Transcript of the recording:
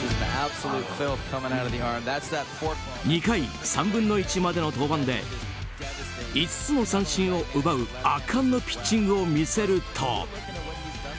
２回３分の１までの登板で５つの三振を奪う圧巻のピッチングを見せると。